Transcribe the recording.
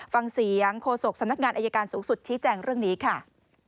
ฟังเสียงโฆษกสำนักงานอายการสูงสุดชี้แจงเรื่องนี้ค่ะ